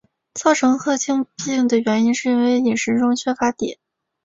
造成克汀病的原因是因为饮食中缺乏碘。